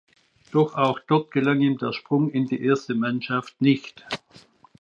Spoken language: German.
Doch auch dort gelang ihm der Sprung in die erste Mannschaft nicht.